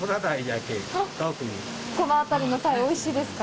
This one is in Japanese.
この辺りの鯛、おいしいですか。